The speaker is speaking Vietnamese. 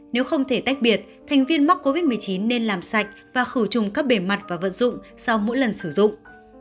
nếu không thể tách biệt thành viên mắc covid một mươi chín nên làm sạch và khử trùng các bề mặt và vận dụng sau mỗi lần sử dụng